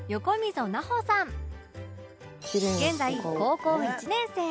現在高校１年生